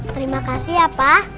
terima kasih ya pak